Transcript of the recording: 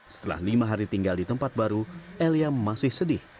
setelah lima hari tinggal di tempat baru elia masih sedih